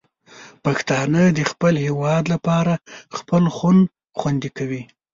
پښتانه د خپل هېواد لپاره خپل خون خوندي کوي.